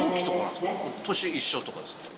年一緒とかですか？